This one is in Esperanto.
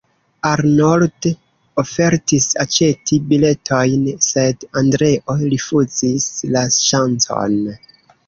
Arnold ofertis aĉeti biletojn, sed Andreo rifuzis la ŝancon.